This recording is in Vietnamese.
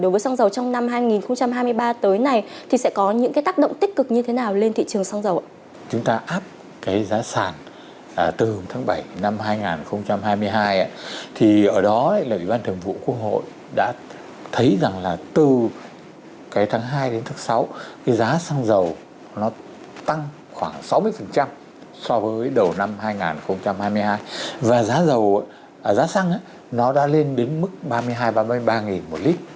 với xăng dầu trong năm hai nghìn hai mươi ba nhằm góp phần đảm bảo ổn định kinh tế vĩ mô